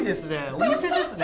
お店ですね。